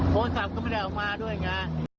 โทรศัพท์ก็ไม่ได้ออกมาด้วยไง